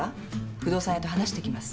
不動産屋と話してきます。